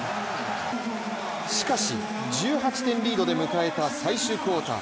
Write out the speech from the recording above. しかし、１８点リードで迎えた最終クオーター。